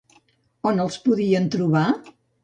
On els podien trobar?